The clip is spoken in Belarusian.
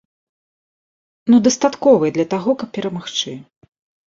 Ну, дастатковай для таго, каб перамагчы.